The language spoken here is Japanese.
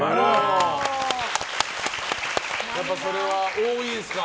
やっぱりそれは多いですか。